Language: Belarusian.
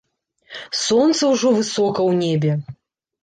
Сонца ўжо высока ў небе.